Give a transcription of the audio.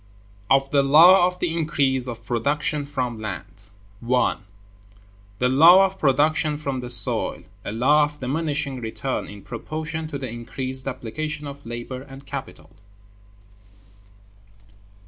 Of The Law Of The Increase Of Production From Land. § 1. The Law of Production from the Soil, a Law of Diminishing Return in Proportion to the Increased Application of Labor and Capital.